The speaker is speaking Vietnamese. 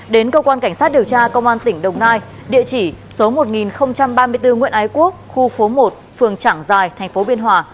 đến cơ quan cảnh sát điều tra công an tỉnh đồng nai địa chỉ số một nghìn ba mươi bốn nguyễn ái quốc khu phố một phường trảng giài thành phố biên hòa